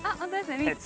３つ。